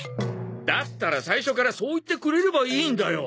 だったら最初からそう言ってくれればいいんだよ。